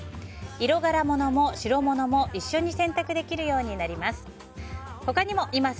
色柄物も白物も一緒に洗濯できるようになります。